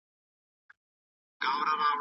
د رښتيا ويلو دود يې عام کړ.